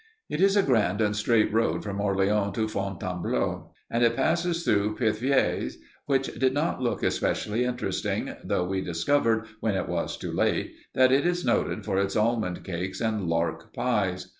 It is a grand, straight road from Orleans to Fontainebleau, and it passes through Pithiviers, which did not look especially interesting, though we discovered, when it was too late, that it is noted for its almond cakes and lark pies.